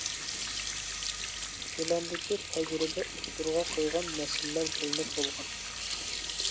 پىلاندىكى تەجرىبە ئوتتۇرىغا قويغان مەسىلىلەر بىلىنىپ بولغان.